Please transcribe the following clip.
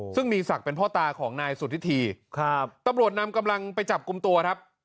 ซึ่งมีศักดิ์เป็นพ่อตาของนายสุธิธีครับตำรวจนำกำลังไปจับกลุ่มตัวครับ